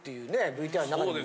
ＶＴＲの中でも。